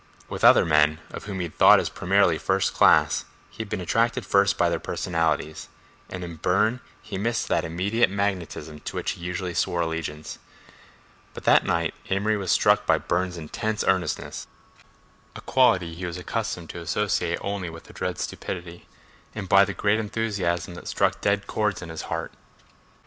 With other men of whom he had thought as primarily first class, he had been attracted first by their personalities, and in Burne he missed that immediate magnetism to which he usually swore allegiance. But that night Amory was struck by Burne's intense earnestness, a quality he was accustomed to associate only with the dread stupidity, and by the great enthusiasm that struck dead chords in his heart.